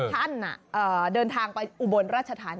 เดินทางไปอุบลราชธานี